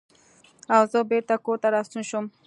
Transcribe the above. او زۀ بېرته کورته راستون شوم ـ